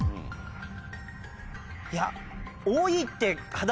いや。